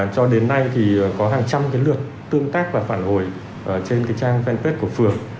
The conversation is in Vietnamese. cho đến nay thì có hàng trăm cái lượt tương tác và phản hồi trên cái trang fanpage của phường